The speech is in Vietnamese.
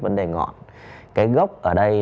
vấn đề ngọn cái gốc ở đây